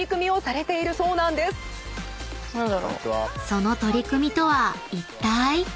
［その取り組みとはいったい⁉］